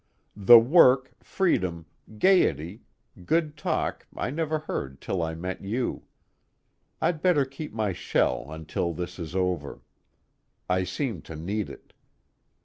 The work, freedom, gaiety, good talk I never heard till I met you. I'd better keep my shell until this is over, I seem to need it.